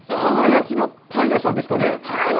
窯焼きのパン屋さんですかね？